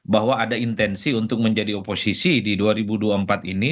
bahwa ada intensi untuk menjadi oposisi di dua ribu dua puluh empat ini